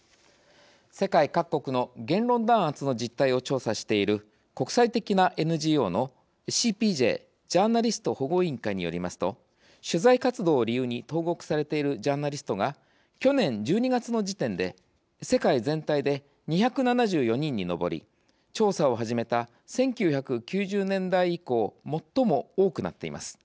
世界各国の言論弾圧の実態を調査している国際的なＮＧＯのＣＰＪ＝ジャーナリスト保護委員会によりますと取材活動を理由に投獄されているジャーナリストが去年１２月の時点で世界全体で２７４人に上り調査を始めた１９９０年代以降最も多くなっています。